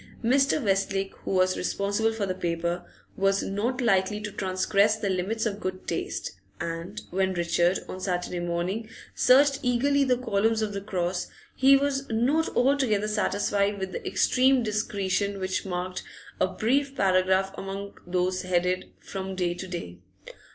Mr. Westlake, who was responsible for the paper, was not likely to transgress the limits of good taste, and when Richard, on Saturday morning, searched eagerly the columns of the 'Cross,' he was not altogether satisfied with the extreme discretion which marked a brief paragraph among those headed: 'From Day to Day.